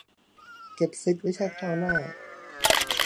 เก็บสิทธิ์ไว้ใช้คราวหน้า